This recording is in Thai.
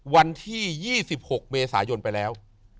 วันที่๒๖เมษายนไปแล้ว